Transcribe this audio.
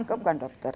aku bukan dokter